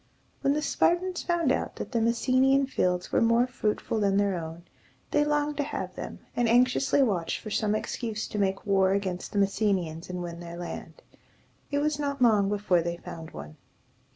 When the Spartans found out that the Mes se´ni an fields were more fruitful than their own, they longed to have them, and anxiously watched for some excuse to make war against the Messenians and win their land. It was not long before they found one.